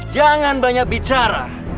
jangan banyak bicara